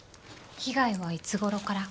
被害はいつごろから？